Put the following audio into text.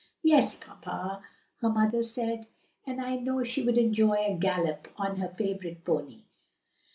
"Yes, papa," her mother said, "and I know she would enjoy a gallop on her favorite pony.